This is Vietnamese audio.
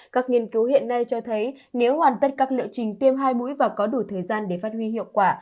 các nghiên cứu hiện nay cho thấy nếu hoàn tất các liệu trình tiêm hai mũi và có đủ thời gian để phát huy hiệu quả